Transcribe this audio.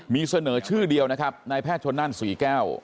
มีเสนอชื่อเดียวนะครับนายแพทย์ชนนั่นศรีแก้ว